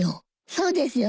そうですよね？